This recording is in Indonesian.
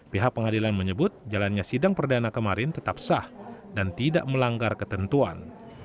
pihak pengadilan menyebut jalannya sidang perdana kemarin tetap sah dan tidak melanggar ketentuan